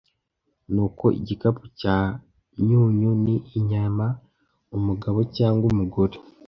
Nuko gipangu cya myunyu ni inyama umugabo cyangwa umugore,